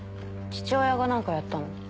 父親が何かやったの？